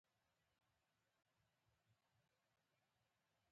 هر څه په یوه کلیک سره زموږ مخته دی